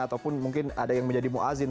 ataupun mungkin ada yang menjadi mu'azzin